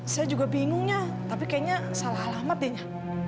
saya juga bingungnya tapi kayaknya salah alamat dia